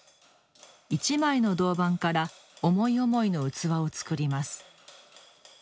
一枚の銅板から思い思いの器を作ります。